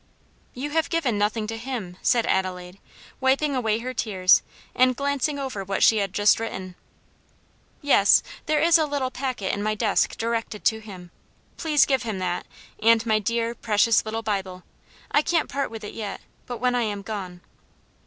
"You have given nothing to him, Elsie," said Adelaide, wiping away her tears, and glancing over what she had just written. "Yes, there is a little packet in my desk directed to him. Please give him that, and my dear, precious little Bible. I can't part with it yet, but when I am gone."